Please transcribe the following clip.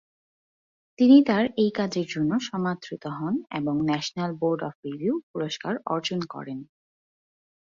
তিনি তার এই কাজের জন্য সমাদৃত হন এবং ন্যাশনাল বোর্ড অব রিভিউ পুরস্কার অর্জন করেন।